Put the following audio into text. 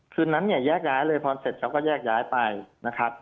คืนนั้นเนี่ยแยกย้ายเลยพอเสร็จเขาก็แยกย้ายไปนะครับ